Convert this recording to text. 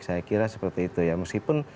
saya kira seperti itu ya meskipun